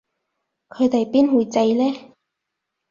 佢哋邊會䎺呢